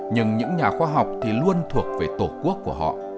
nhưng những nhà khoa học thì luôn thuộc về tổ quốc của họ